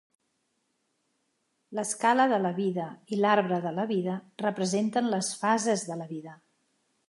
L'Escala de la Vida i l'Arbre de la Vida representen les fases de la vida.